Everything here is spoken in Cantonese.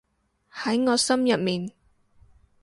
喺我心入面